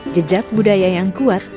jejak budaya yang kuat